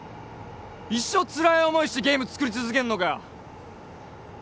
一生つらい思いしてゲーム作り続けんのかよ